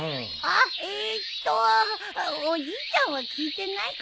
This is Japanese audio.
あえっとおじいちゃんは聞いてないかもね。